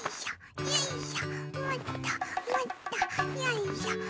よいしょ！